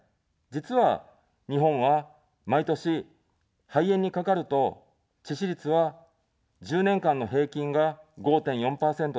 実は、日本は毎年、肺炎にかかると、致死率は１０年間の平均が５．４％です。